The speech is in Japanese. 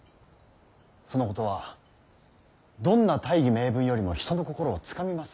そのことはどんな大義名分よりも人の心をつかみます。